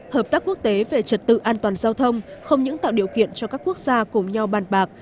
hợp tác quốc tế về trật tự an toàn giao thông không những tạo điều kiện cho các quốc gia cùng nhau bàn bạc